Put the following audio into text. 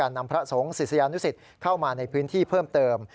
นำพระสงฆ์ศิษยานุสิตเข้ามาในพื้นที่เพิ่มเติม